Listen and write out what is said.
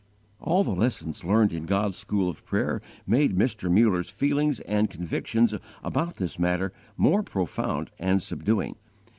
All the lessons learned in God's school of prayer made Mr. Muller's feelings and convictions about this matter more profound and subduing.